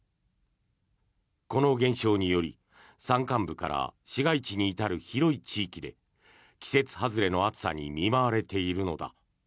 この現象により、山間部から市街地に至る広い地域で季節外れの暑さに見舞われているのだ。